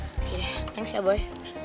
oke deh thanks ya boy